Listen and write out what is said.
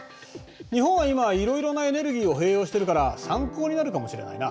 日本は今いろいろなエネルギーを併用してるから参考になるかもしれないな。